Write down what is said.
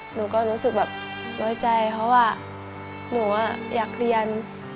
หนูก็รู้สึกแบบน้อยใจเพราะว่าหนูอยากเรียน